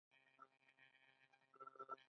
د نباتاتو د ژوند بنسټ د فوتوسنتیز دی